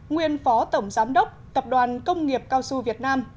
nguyên phó tổng giám đốc tập đoàn công nghiệp cao su việt nam